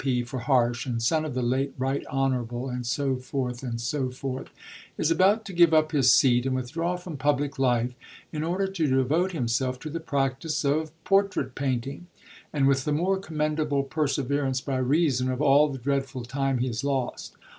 P. for Harsh and son of the late Right Honourable and so forth and so forth, is about to give up his seat and withdraw from public life in order to devote himself to the practice of portrait painting and with the more commendable perseverance by reason of all the dreadful time he has lost.